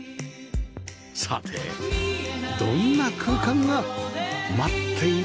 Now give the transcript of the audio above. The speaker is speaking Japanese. さてどんな空間が待っているんでしょうか？